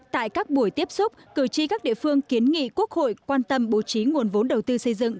tại các buổi tiếp xúc cử tri các địa phương kiến nghị quốc hội quan tâm bố trí nguồn vốn đầu tư xây dựng